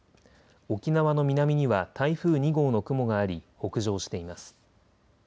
沖縄の南には台風２号の雲があり北上しています。